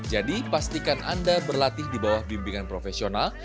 jadi pastikan anda berlatih di bawah bimbingan profesional